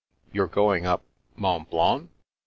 ^ You're going up— Mont Blanc